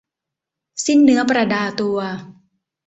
สิ้นเนื้อประดาตัว